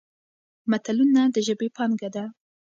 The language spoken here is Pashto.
متلونه د ژبې پانګه ده.